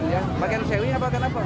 sembilan ya bagaimana